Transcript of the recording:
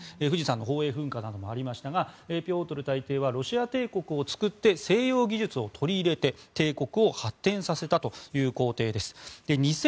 富士山の宝永噴火などもありましたがピョートル大帝はロシア帝国を作って西洋技術を取り入れて帝国を発展させたという皇帝です。